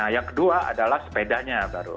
yang kedua adalah sepedanya baru